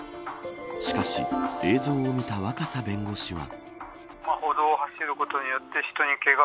しかし、映像を見た若狭弁護士は。